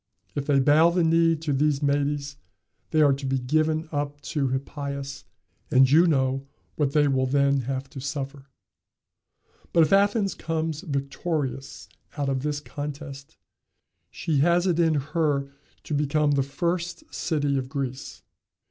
If they bow the knee to these Medes, they are to be given up to Hippias, and you know what they then will have to suffer. But if Athens comes victorious out of this contest, she has it in her to become the first city of Greece.